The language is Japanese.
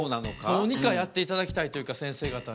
どうにかやっていただきたいというかせんせい方に。